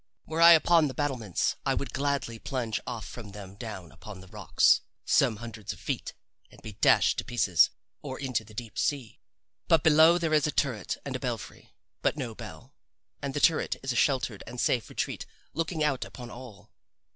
Were I upon the battlements I would gladly plunge off from them down upon the rocks, some hundreds of feet, and be dashed to pieces or into the deep sea. But below there is a turret and a belfry, but no bell, and the turret is a sheltered and safe retreat looking out upon all.